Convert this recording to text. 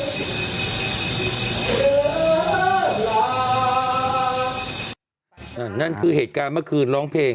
นั่นคือเหตุการณ์เมื่อคืนร้องเพลง